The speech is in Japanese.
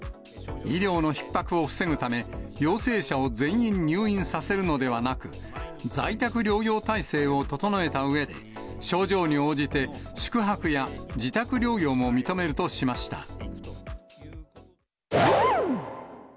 医療のひっ迫を防ぐため、陽性者を全員入院させるのではなく、在宅療養体制を整えたうえで、症状に応じて宿泊や自宅療養も認めるとしました。